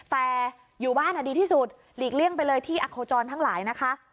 แต่อยู่บ้านดีที่สุดหลีกเลี่ยงไปเลยที่อโคจรทั้งหลายนะคะ